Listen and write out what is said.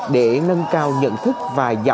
để nâng cao nhận thức và hiểu thức về các vận động viên